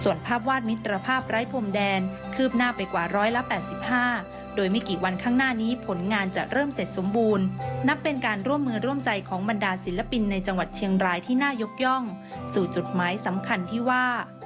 ส่วนภาพวาดมิตรภาพไร้พรมแดนคืบหน้าไปกว่า๑๘๕โดยไม่กี่วันข้างหน้านี้ผลงานจะเริ่มเสร็จสมบูรณ์นับเป็นการร่วมมือร่วมใจของบรรดาศิลปินในจังหวัดเชียงรายที่น่ายกย่องสู่จุดหมายสำคัญที่ว่า